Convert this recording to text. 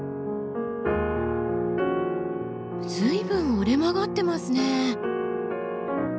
随分折れ曲がってますね。